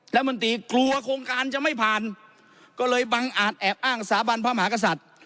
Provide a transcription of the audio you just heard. มนตรีกลัวโครงการจะไม่ผ่านก็เลยบังอาจแอบอ้างสถาบันพระมหากษัตริย์